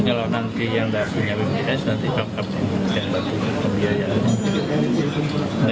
kalau nanti yang tidak punya bpjs nanti kakak kakak yang dapatkan kebiayaan